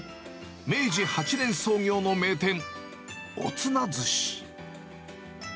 明治８年創業の名店、おつな寿司。